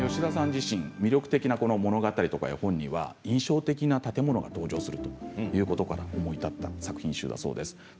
自身魅力的な物語や本には印象的な建物が登場するということから思いついた作品集だそうです。